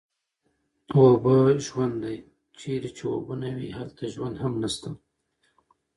اوبه ژوند دی، چېرې چې اوبه نه وي هلته ژوند هم نشته